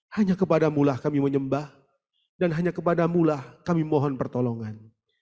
hanya kepada mu lah kami menyembah dan hanya kepada mu lah kami mohon pertolongan